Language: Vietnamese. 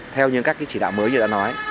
theo những các chỉ đạo mới như đã nói